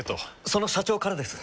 その社長からです。